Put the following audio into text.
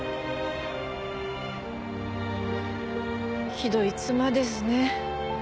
ひどい妻ですね。